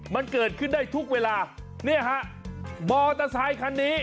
มันเกิดขึ้นได้ทุกเวลาเนี่ยฮะมอเตอร์ไซคันนี้